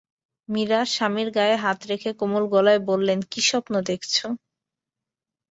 মীরা স্বামীর গায়ে হাত রেখে কোমল গলায় বললেন, কী স্বপ্ন দেখেছ?